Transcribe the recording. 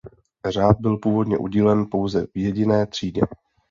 Řád byl původně udílen pouze v jediné třídě.